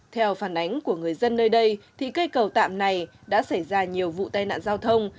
theo phản ánh của người dân nơi đây thì cây cầu tạm này đã xảy ra nhiều vụ tai nạn giao thông